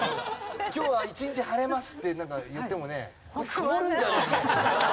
「今日は一日晴れます」って言ってもね。